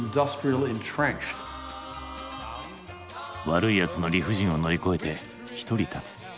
悪いやつの理不尽を乗り越えて独り立つ。